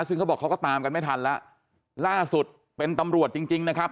ซึ่งเขาบอกเขาก็ตามกันไม่ทันแล้วล่าสุดเป็นตำรวจจริงจริงนะครับ